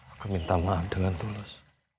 aku minta maaf dengan tulus